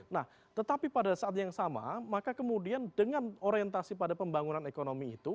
nah tetapi pada saat yang sama maka kemudian dengan orientasi pada pembangunan ekonomi itu